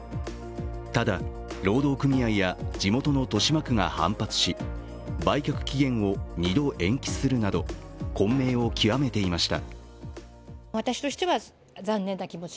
ただ、労働組合や地元の豊島区が反発し売却期限を２度延期するなど混迷を極めていました。